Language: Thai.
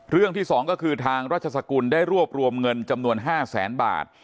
เรื่องที่๒ก็คือทางราชสกุลได้รวบรวมเงินจำนวน๕แสนบาท